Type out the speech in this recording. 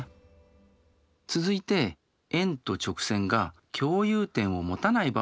続いて円と直線が共有点を持たない場合について考えます。